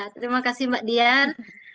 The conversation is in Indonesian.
terima kasih mbak dian